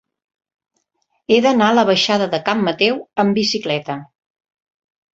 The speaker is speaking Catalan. He d'anar a la baixada de Can Mateu amb bicicleta.